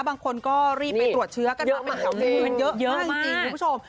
บางคนก็รีบไปตรวจเชื้อกันบ้างเป็นทางที่มีเงินเยอะมากจริงคุณผู้ชม